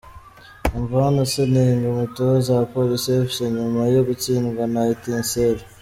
Umva hano Seninga umutoza wa Police Fc nyuma yo gutsindwa na Etincelles.